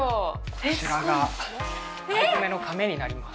こちらが藍染のかめになります。